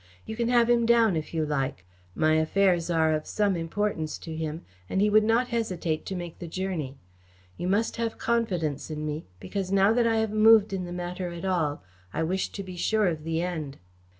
You can have him down, if you like. My affairs are of some importance to him and he would not hesitate to make the journey. You must have confidence in me, because now that I have moved in the matter at all, I wish to be sure of the end."